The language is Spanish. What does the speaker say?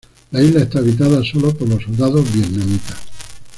La isla está habitada solo por los soldados vietnamitas.